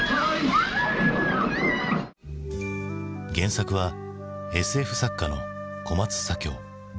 原作はＳＦ作家の小松左京。